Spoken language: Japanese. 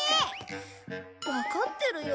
わかってるよ